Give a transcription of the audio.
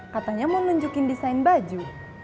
katanya mau nunjukin desain baju